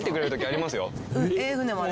えっ船まで？